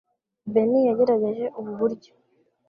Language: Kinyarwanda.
Benie yagerageje ubu buryo.